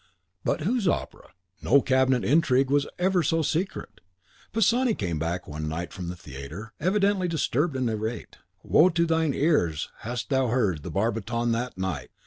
But whose the opera? No cabinet intrigue ever was so secret. Pisani came back one night from the theatre, evidently disturbed and irate. Woe to thine ears hadst thou heard the barbiton that night!